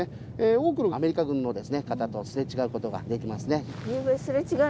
多くのアメリカ軍の方とすれ違うことができますね。